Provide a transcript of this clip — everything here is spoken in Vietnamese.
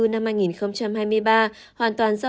năm hai nghìn hai mươi ba hoàn toàn do